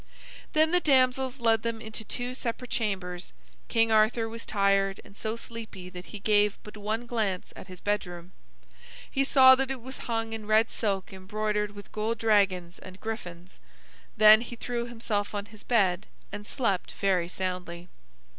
Then the damsels led them into two separate chambers. King Arthur was tired and so sleepy that he gave but one glance at his bedroom. He saw that it was hung in red silk embroidered with gold dragons and griffins. Then he threw himself on his bed and slept very soundly.